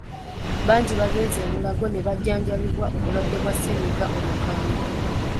Bangi bagenze e Mulago ne bajjanjabibwa obulwadde bwa ssenyiga omukambwe.